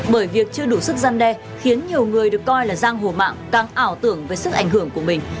bởi việc chưa đủ sức gian đe khiến nhiều người được coi là giang hổ mạng càng ảo tưởng về sức ảnh hưởng của mình